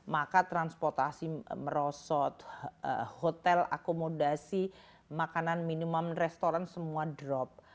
maka transportasi merosot hotel akomodasi makanan minuman restoran semua drop